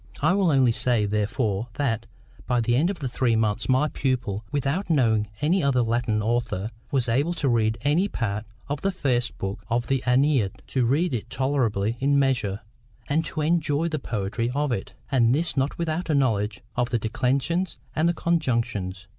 I will only say, therefore, that, by the end of three months, my pupil, without knowing any other Latin author, was able to read any part of the first book of the AEneid—to read it tolerably in measure, and to enjoy the poetry of it—and this not without a knowledge of the declensions and conjugations.